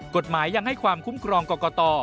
กฎหมายยังให้ความคุ้มครองกรกต